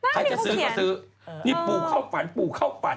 ใครจะซื้อก็ซื้อนี่ปูเข้าฝันปูเข้าฝัน